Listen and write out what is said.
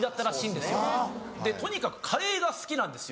でとにかくカレーが好きなんですよ。